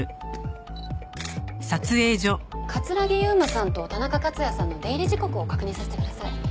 城悠真さんと田中克也さんの出入り時刻を確認させてください。